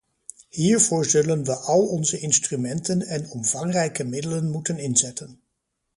Hiervoor zullen we al onze instrumenten en omvangrijke middelen moeten inzetten.